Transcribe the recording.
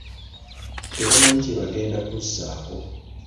Tebamanyi kye bagenda kuzzaako.